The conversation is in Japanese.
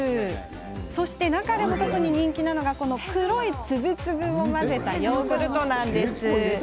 そして、中でも特に人気なのがこの黒い粒々を混ぜたヨーグルト。